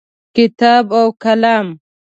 کتاب او قلم